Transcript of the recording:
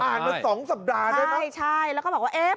อ่านมา๒สัปดาห์ได้ไหมใช่แล้วก็บอกว่าเอ๊ะ